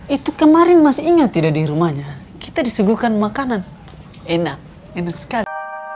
itu kemarin masih ingat tidak di rumahnya kita disuguhkan makanan enak enak sekali